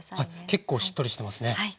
結構しっとりしてますね。